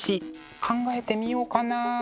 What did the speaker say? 考えてみようかな？